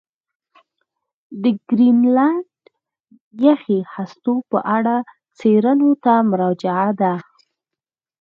د ګرینلنډ یخي هستو په اړه څېړنو ته مراجعه ده.